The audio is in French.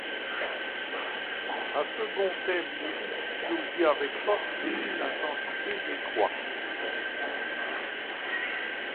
Un second thème lyrique surgit avec force et puis l'intensité décroît.